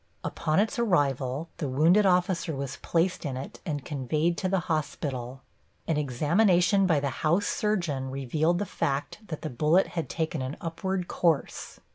Upon its arrival the wounded officer was placed in it and conveyed to the hospital. An examination by the house surgeon revealed the fact that the bullet had taken an upward course.